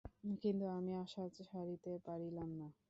কিন্তু, আমি আশা ছাড়িতে পারিলাম না।